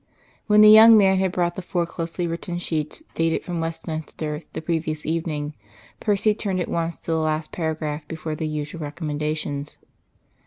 When the young man had brought the four closely written sheets, dated from Westminster, the previous evening, Percy turned at once to the last paragraph before the usual Recommendations.